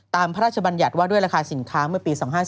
พระราชบัญญัติว่าด้วยราคาสินค้าเมื่อปี๒๕๔